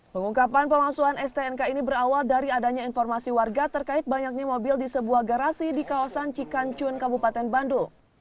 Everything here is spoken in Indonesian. pengungkapan pemalsuan stnk ini berawal dari adanya informasi warga terkait banyaknya mobil di sebuah garasi di kawasan cikancun kabupaten bandung